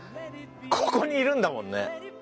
ここにいるんだもんね。